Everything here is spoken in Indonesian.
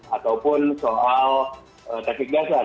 ataupun soal teknik dasar